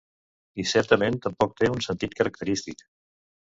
I certament tampoc té un sentit característic.